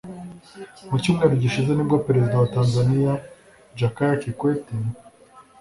Mu cyumweru gishize nibwo Perezida wa Tanzania Jakaya Kikwete